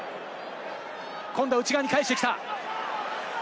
今度は内側に返してきた。